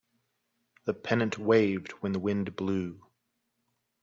The pennant waved when the wind blew.